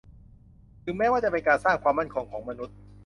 ถึงแม้ว่าจะเป็นการสร้างความมั่นคงของมนุษย์